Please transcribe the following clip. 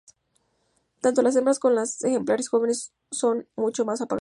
Tanto las hembras como los ejemplares jóvenes son mucho más apagados.